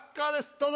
どうぞ。